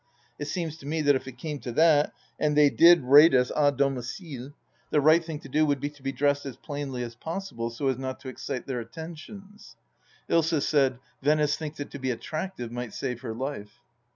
It seems to me that if it came to that, and they did raid us d domicile, the right thing to do would be to be dressed as plainly as possible, so as not to excite their attentions. ... Ilsa said, " Venice thinks that to be attractive might save her life